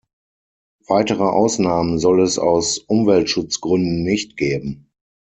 Weitere Ausnahmen soll es aus Umweltschutzgründen nicht geben.